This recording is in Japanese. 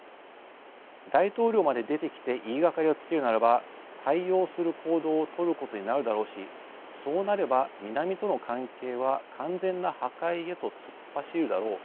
大統領まで出てきて言いがかりをつけるならば対応する行動をとることになるだろうしそうなれば南との関係は完全な破壊へと突っ走るだろう。